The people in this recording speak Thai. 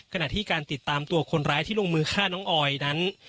ขณะที่การติดตามตัวคนร้ายที่ลงมือฆ่าน้องออยนั้น